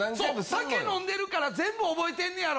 酒飲んでるから全部覚えてんねやろ？